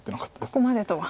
ここまでとは。